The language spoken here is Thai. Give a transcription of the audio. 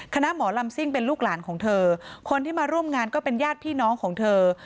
คณะหมอลำซิ่งเป็นลูกหลานของเธอคนที่มาร่วมงานก็เป็นญาติพี่น้องของเธอ